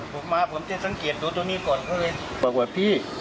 ผู้มาผมได้สังเกษดูตรงนี้ก่อนเพื่อเพราะว่าบ้างที่